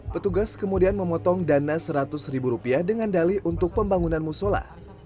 petugas kemudian memotong dana seratus ribu rupiah dengan dali untuk pembangunan musola